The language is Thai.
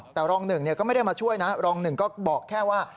แต่รองหนึ่งก็ไม่ได้มาช่วยนะรองหนึ่งก็บอกแค่ว่า